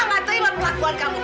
mama gak terima perlakuan kamu